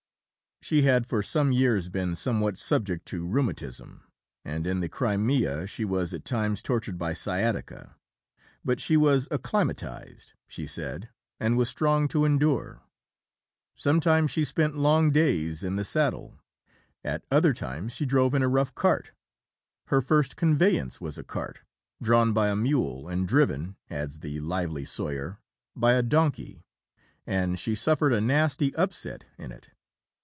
She had for some years been somewhat subject to rheumatism, and in the Crimea she was at times tortured by sciatica. But she was "acclimatised," she said, and was strong to endure. Sometimes she spent long days in the saddle. At other times she drove in a rough cart. Her first conveyance was a cart drawn by a mule and driven, adds the lively Soyer, by a donkey; and she suffered a nasty upset in it.